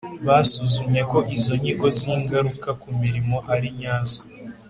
Basuzumye ko izo nyigo z ingaruka ku mirimo ari nyazo